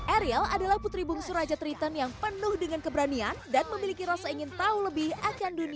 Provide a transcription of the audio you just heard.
ariel adalah putri bungsu raja triton yang penuh dengan keberanian dan memiliki rasa ingin tahu lukisan